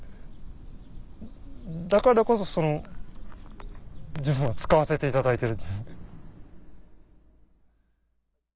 だからこそ自分は使わせていただいてる。